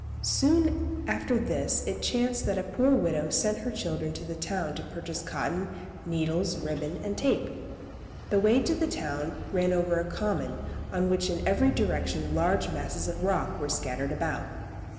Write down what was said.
Soon after this it chanced that the poor widow sent her children to the town to purchase cotton, needles, ribbon and tape. The way to the town ran over a common on which in every direction large masses of rocks were scattered about.